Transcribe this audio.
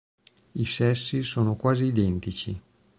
I sessi sono quasi identici.